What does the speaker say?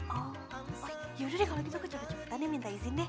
oh ya udah deh kalau gitu aku cepet cepetan minta izin deh